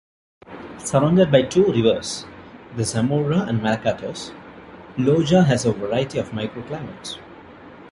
Surrounded by two rivers, the Zamora and Malacatos, Loja has a variety of microclimates.